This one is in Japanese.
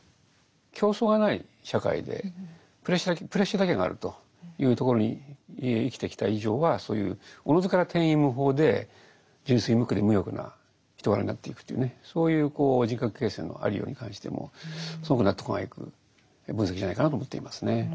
競争がない社会でプレッシャーだけがあるというところに生きてきた以上はそういうおのずから天衣無縫で純粋無垢で無欲な人柄になっていくというねそういう人格形成のありように関してもすごく納得がいく分析じゃないかなと思っていますね。